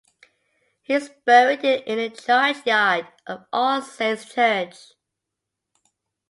He is buried in the churchyard of All Saints Church.